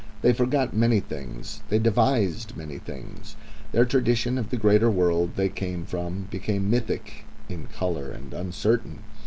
They forgot many things; they devised many things. Their tradition of the greater world they came from became mythical in colour and uncertain.